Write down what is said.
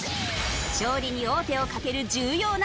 勝利に王手を掛ける重要な一戦！